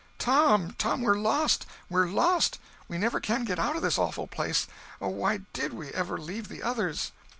"Tom, Tom, we're lost! we're lost! We never can get out of this awful place! Oh, why did we ever leave the others!"